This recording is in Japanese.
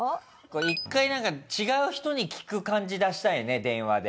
一回違う人に聞く感じ出したいね電話で。